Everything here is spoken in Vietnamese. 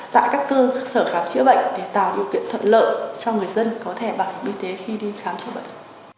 tại các cơ sở khám chữa bệnh để tạo điều kiện thuận lợi cho người dân có thể bảo hiểm y tế khi đi khám chữa bệnh